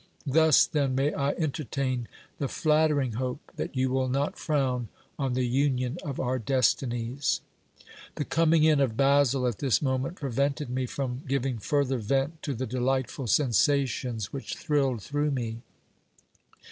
Thus, then, may I entertain the flattering hope that you will not frown on the union of our destinies ! The coming in of Basil at this moment prevented me from giving further vent to the delightful sensations which thrilled through me.